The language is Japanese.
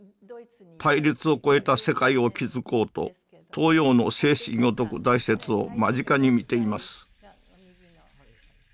対立を超えた世界を築こうと東洋の精神を説く大拙を間近に見ています